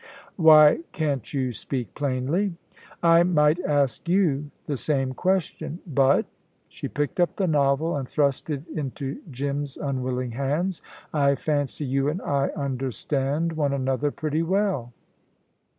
"Why can't you speak plainly?" "I might ask you the same question, but" she picked up the novel and thrust it into Jim's unwilling hands "I fancy you and I understand one another pretty well."